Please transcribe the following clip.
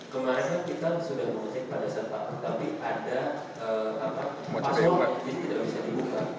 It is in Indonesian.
kemarin kita sudah memutih pada saat pak mu tapi ada password ini tidak bisa dibuka